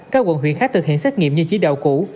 các quận huyện khác thực hiện xét nghiệm như chỉ đạo cũ